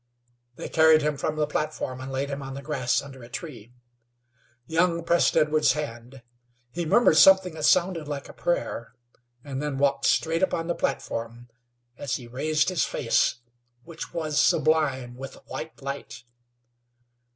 They carried him from the platform, and laid him on the grass under a tree. Young pressed Edwards' hand; he murmured something that sounded like a prayer, and then walked straight upon the platform, as he raised his face, which was sublime with a white light.